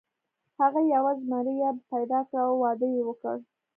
هغه یوه زمریه پیدا کړه او واده یې وکړ.